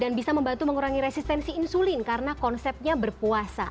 dan bisa membantu mengurangi resistensi insulin karena konsepnya berpuasa